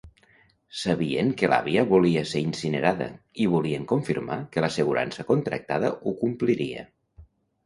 Sabien que l'àvia volia ser incinerada i volien confirmar que l'assegurança contractada ho compliria.